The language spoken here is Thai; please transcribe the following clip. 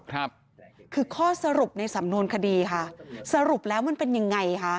ครับคือข้อสรุปในสำนวนคดีค่ะสรุปแล้วมันเป็นยังไงคะ